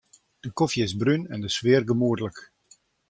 De kofje is brún en de sfear gemoedlik.